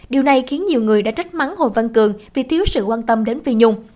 điều này khiến nhiều người đã trách mắng hồ văn cường vì thiếu sự quan tâm đến phi nhung